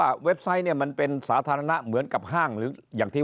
เว็บไซต์เนี่ยมันเป็นสาธารณะเหมือนกับห้างหรืออย่างที่